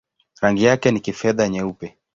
Rangi yake ni kifedha-nyeupe.